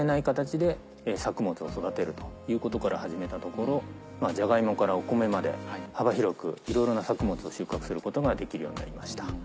ということから始めたところジャガイモからお米まで幅広くいろいろな作物を収穫することができるようになりました。